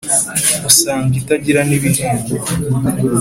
usanga itagira n’ibihembo,